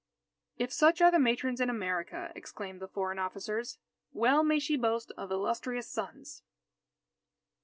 "If such are the matrons in America," exclaimed the foreign officers, "well may she boast of illustrious sons!"